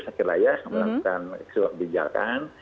sekilayah melakukan sebuah bijakan